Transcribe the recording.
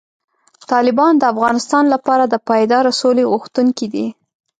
طالبان د افغانستان لپاره د پایداره سولې غوښتونکي دي.